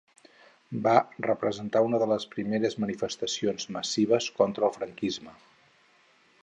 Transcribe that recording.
Va representar una de les primeres manifestacions massives contra el franquisme.